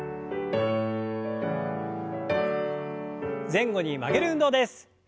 前後に曲げる運動です。